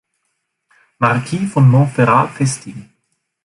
Marquis von Montferrat festigen.